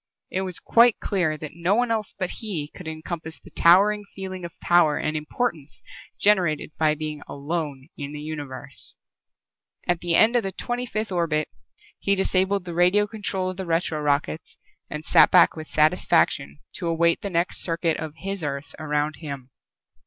It was quite clear that no one else but he could encompass the towering feeling of power and importance generated by being alone in the Universe. At the end of the twenty fifth orbit he disabled the radio control of the retro rockets and sat back with satisfaction to await the next circuit of his Earth around Him.